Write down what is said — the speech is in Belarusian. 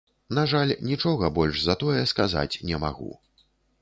На жаль, нічога больш за тое сказаць не магу.